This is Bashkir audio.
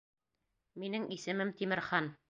Минең исемем Тимерхан.